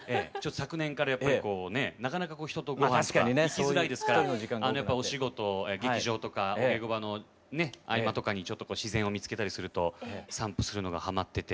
昨年からやっぱりこうねなかなか人とご飯とか行きづらいですからお仕事劇場とかお稽古場の合間とかにちょっと自然を見つけたりすると散歩するのがハマってて。